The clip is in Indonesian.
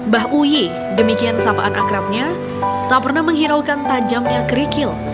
bah uyi demikian sapaan akrabnya tak pernah menghiraukan tajamnya kerikil